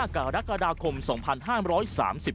โปรดติดตามตอนต่อไป